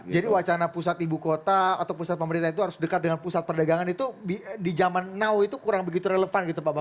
jadi wacana pusat ibu kota atau pusat pemerintah itu harus dekat dengan pusat perdagangan itu di zaman now itu kurang begitu relevan gitu pak pak